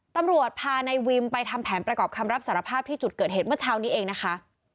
ตำรวจพานายวิมไปทำแผนประกอบคำรับสารภาพที่จุดเกิดเหตุเมื่อเช้านี้เองนะคะ